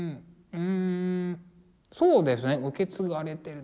そうですね受け継がれてる。